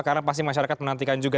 karena pasti masyarakat menantikan juga